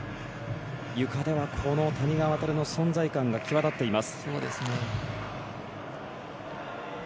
ゆかではこの谷川航の存在感が際立っています。